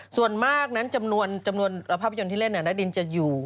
ส่วนมากนั้นจำนวนภาพยนตร์ที่เล่นณดินจะอยู่